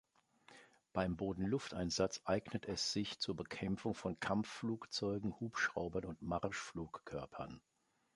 Beim Boden-Luft-Einsatz eignet es sich zur Bekämpfung von Kampfflugzeugen, Hubschraubern und Marschflugkörpern.